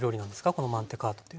このマンテカートというのは。